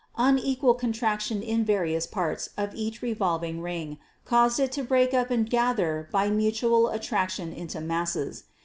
Unequal contraction in various parts of each re volving ring caused it to break up and gather by mutual attraction into masses.